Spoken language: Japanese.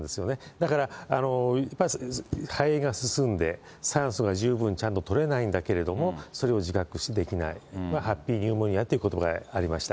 だから、肺炎が進んで、酸素が十分ちゃんと取れないんだけれども、それを自覚できない、ハッピーユーモニアということばがありました。